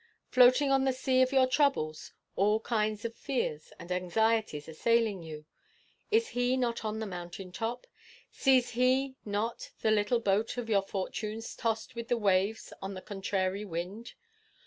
Floating on the sea of your troubles, all kinds of fears and anxieties assailing you, is He not on the mountain top? Sees he not the little boat of your fortunes tossed with the waves and the contrary wind?